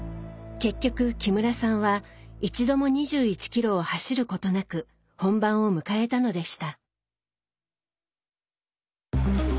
結局木村さんは一度も２１ｋｍを走ることなく本番を迎えたのでした。